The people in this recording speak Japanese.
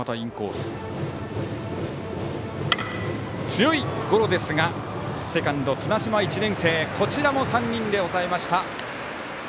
強いゴロですがセカンド、綱島がとってこちらも３人で抑えました。